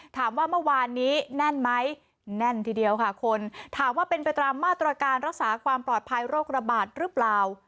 ถามว่าเมื่อวานนี้แน่นไหมแน่นทีเดียวค่ะคนถามว่าเป็นไปตามมาตรการรักษาความปลอดภัยโรคระบาดหรือเปล่า